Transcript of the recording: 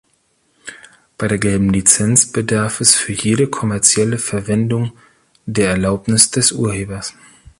Bei der gelben Lizenz bedarf es für jede kommerzielle Verwendung der Erlaubnis des Urhebers.